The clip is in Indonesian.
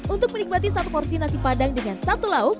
untuk menikmati satu porsi nasi padang dengan satu lauk